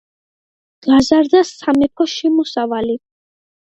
გაზარდა სამეფო შემოსავალი.